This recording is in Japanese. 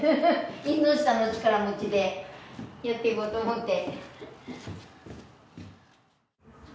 縁の下の力持ちでやっていこうと思って。